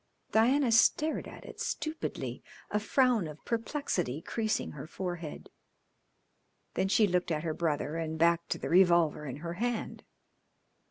Diana stared at it stupidly, a frown of perplexity creasing her forehead. Then she looked at her brother, and back to the revolver in her hand.